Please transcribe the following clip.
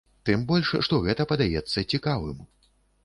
Тым больш што гэта падаецца цікавым.